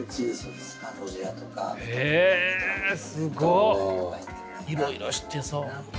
いろいろ知ってそう。